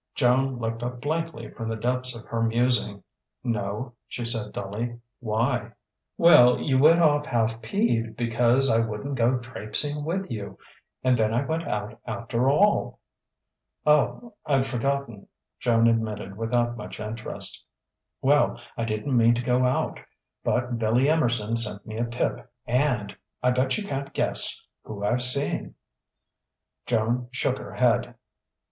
Joan looked up blankly from the depths of her musing. "No," she said dully. "Why?" "Well, you went off half peeved because I wouldn't go trapesing with you and then I went out after all." "Oh I'd forgotten," Joan admitted without much interest. "Well, I didn't mean to go out, but Billy Emerson sent me a tip and ... I bet you can't guess who I've seen." Joan shook her head.